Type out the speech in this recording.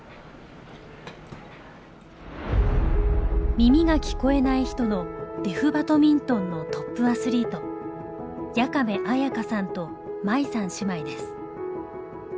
耳が聞こえない人のデフバドミントンのトップアスリート矢ケ部紋可さんと真衣さん姉妹です。